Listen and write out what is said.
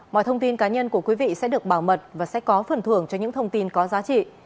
mọi thông tin cá nhân của quý vị sẽ được bảo mật và sẽ có phần thưởng cho những thông tin có giá trị